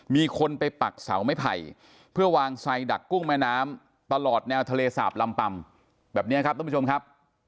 มีคนไปปักเสาไม้ไผ่เพื่อวางไซดักกุ้งแม่น้ำตลอดแนวทะเลสาบลำปำแบบนี้ครับท่านผู้ชมครับ